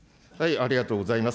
ありがとうございます。